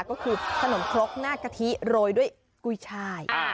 ก็คือขนมครกหน้ากะทิโรยด้วยกุ้ยชาย